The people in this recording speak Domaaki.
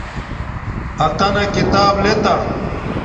ہاتنا کتاب لتا